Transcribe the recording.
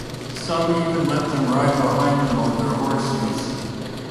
Some even let them ride behind them on their horses.